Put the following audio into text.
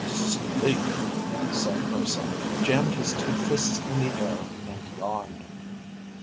"Sleep!" said Urson, jammed his two fists in the air, and yawned.